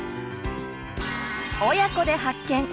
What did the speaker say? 「親子で発見！